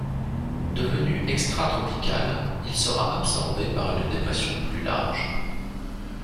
Devenue extratropicale, il sera absorbée par une dépression plus large.